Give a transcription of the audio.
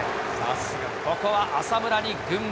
ここは浅村に軍配。